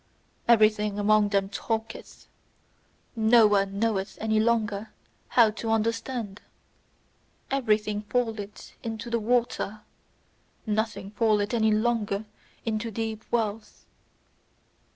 Everything among them talketh; no one knoweth any longer how to understand. Everything falleth into the water; nothing falleth any longer into deep wells.